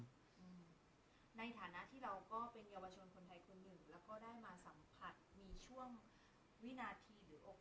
ในฐานะที่เราก็เป็นเยาวชนคนไทยก็เอ็ง